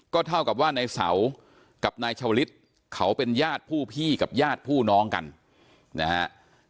เท่ากับว่านายเสากับนายชาวลิศเขาเป็นญาติผู้พี่กับญาติผู้น้องกันนะฮะ